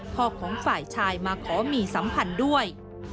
พ่อของฝ่ายชายมาขอมีสัมผัสด้วย